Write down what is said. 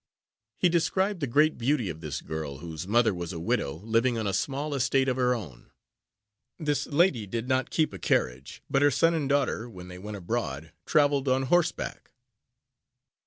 He described the great beauty of this girl, whose mother was a widow, living on a small estate of her own. This lady did not keep a carriage; but her son and daughter, when they went abroad, traveled on horseback.